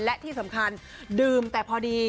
และที่สำคัญดื่มแต่พอดี